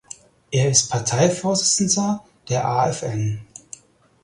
Er ist Parteivorsitzender der Afn.